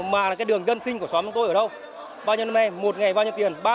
mà cái đường dân sinh của xóm tôi ở đâu bao nhiêu năm nay một ngày bao nhiêu tiền